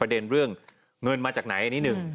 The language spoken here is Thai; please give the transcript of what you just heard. ประเด็นเรื่องเงินมาจากไหนนิดนึง